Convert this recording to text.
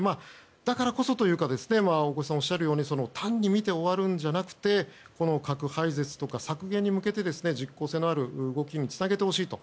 だからこそというか大越さんもおっしゃるように単に見て終わるんじゃなくて核廃絶とか削減に向けて実効性のある動きにつなげてほしいと。